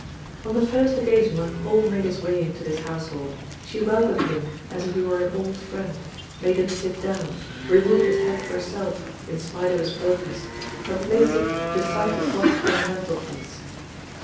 On the first occasion when Paul made his way into this household, she welcomed him as if he were an old friend, made him sit down, removed his hat herself, in spite of his protests, and placed it beside the clock upon the mantelpiece.